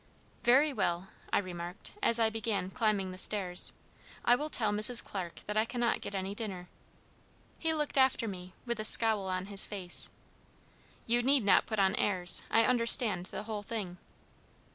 "Very well," I remarked, as I began climbing the stairs, "I will tell Mrs. Clarke that I cannot get any dinner." He looked after me, with a scowl on his face: "You need not put on airs! I understand the whole thing."